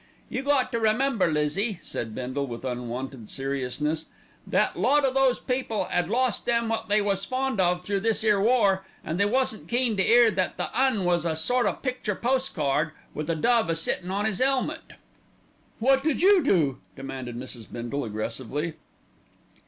"You got to remember, Lizzie," said Bindle with unwonted seriousness, "that a lot o' those people 'ad lost them wot they was fond of through this 'ere war, an' they wasn't keen to 'ear that the 'Un is a sort o' picture postcard, with a dove a sittin' on 'is 'elmet." "What did you do?" demanded Mrs. Bindle aggressively.